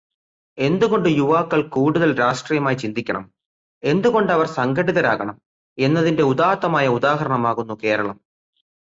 എന്തുകൊണ്ട് യുവാക്കൾ കൂടുതൽ രാഷ്ട്രീയമായി ചിന്തിക്കണം, എന്തുകൊണ്ട് അവർ സംഘടിതരാകണം എന്നതിന്റെ ഉദാത്തമായ ഉദാഹരണമാകുന്നു കേരളം.